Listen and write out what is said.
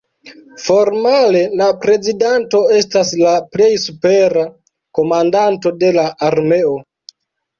Formale la prezidanto estas la plej supera komandanto de la armeo.